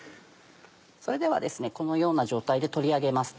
それではこのような状態で取り上げます。